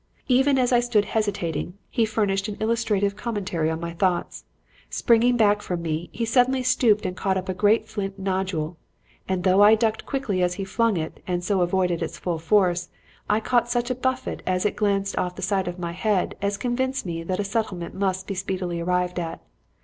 "Even as I stood hesitating, he furnished an illustrative commentary on my thoughts. Springing back from me, he suddenly stooped and caught up a great flint nodule; and though I ducked quickly as he flung it and so avoided its full force, I caught such a buffet as it glanced off the side of my head as convinced me that a settlement must be speedily arrived at.